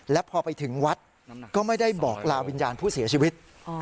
และพอไปถึงวัดก็ไม่ได้บอกลาวิญญาณผู้เสียชีวิต